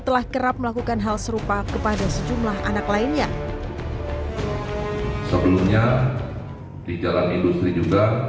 telah kerap melakukan hal serupa kepada sejumlah anak lainnya sebelumnya di dalam industri juga